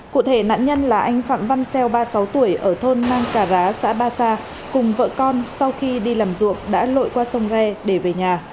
cụ thể nạn nhân là anh phạm văn xeo ba mươi sáu tuổi ở thôn mang cà rá xã ba sa cùng vợ con sau khi đi làm ruộng đã lội qua sông re để về nhà